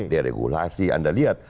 deregulasi anda lihat